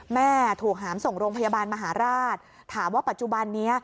แม่ถูกหามส่งโรงพยาบาลมหาราชถามว่าปัจจุบันนี้